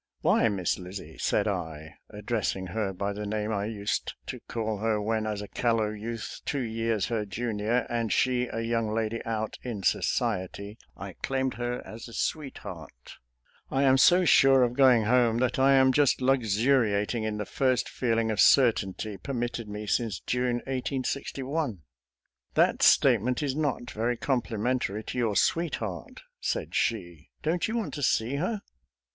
"Why, Miss Lizzie," said I, addressing her by the name I used to call her when, as a callow youth two years her junior, and she a young lady out in society, I claimed her as a sweet 272 SOLDIER'S LETTERS TO CHARMING NELLIE heart, "I am so sure of going home that I am just luxuriating in the first feeling of certainty permitted me since June, 1861 !"" That statement is not very complimentary to your sweetheart," said she. " Don't you want to see her?